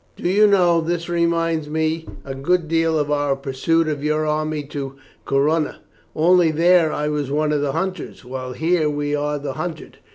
"Do you know, this reminds me a good deal of our pursuit of your army to Corunna; only there I was one of the hunters, while here we are the hunted.